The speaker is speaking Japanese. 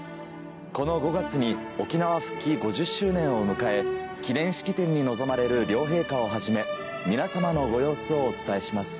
この５月に沖縄復帰５０周年を迎え記念式典に臨まれる両陛下をはじめ皆さまのご様子をお伝えします。